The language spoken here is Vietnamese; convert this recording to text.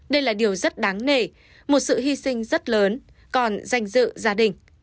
đây là điều rất đáng nể một sự hy sinh rất lớn còn danh dự gia đình